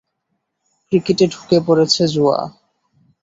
ক্রিকেটে ঢুকে পড়েছে জুয়া।